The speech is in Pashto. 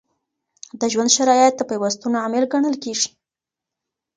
د ژوند شرایط د پیوستون عامل ګڼل کیږي.